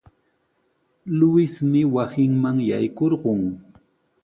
Luismi wasinman yaykurqun.